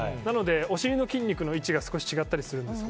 お尻の筋肉の位置が違ったりするんですよ。